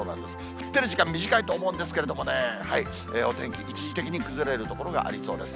降ってる時間短いと思うんですけどね、お天気、一時的に崩れる所がありそうです。